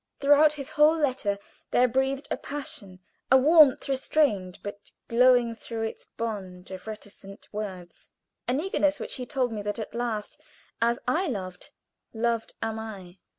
Throughout his whole letter there breathed a passion, a warmth restrained, but glowing through its bond of reticent words an eagerness which he told me that at last "As I loved, loved am I."